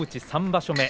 ３場所目。